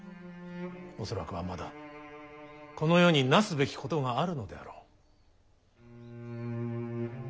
恐らくはまだこの世になすべきことがあるのであろう。